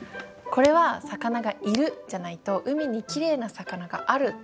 これは「魚がいる」じゃないと「海にきれいな魚がある」